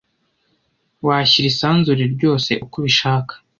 washyira isanzure ryose uko ubishaka